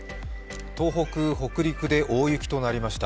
東北北陸で大雪となりました。